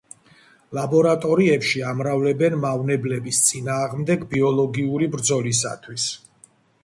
ლაბორატორიებში ამრავლებენ მავნებლების წინააღმდეგ ბიოლოგიური ბრძოლისათვის.